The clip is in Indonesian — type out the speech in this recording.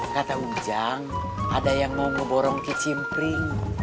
kata ujang ada yang mau ngeborong kecimpring